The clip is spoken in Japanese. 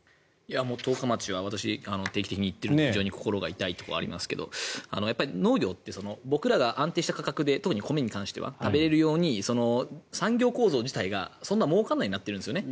十日町は私定期的に行っているので非常に心が痛いところはありますが農業って僕らが安定した価格で特に米に関しては食べられるように産業構造自体がそんなにもうからないようになってるんですね。